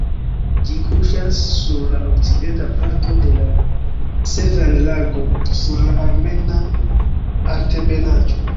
Ĝi kuŝas sur la okcidenta parto de la Sevan-lago, sur la Armena Altebenaĵo.